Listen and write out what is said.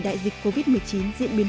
đại dịch covid một mươi chín diễn biến